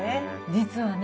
実はね